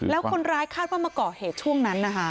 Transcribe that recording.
แล้วคนร้ายคาดว่ามาก่อเหตุช่วงนั้นนะคะ